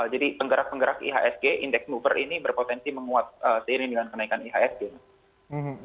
jadi penggerak penggerak ihsg indeks mover ini berpotensi menguat seiring dengan kenaikan ihsg